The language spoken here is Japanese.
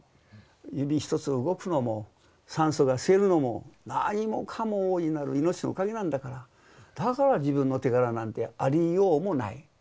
指一つ動くのも酸素が吸えるのも何もかも大いなるいのちのおかげなんだからだから自分の手柄なんてありようもない。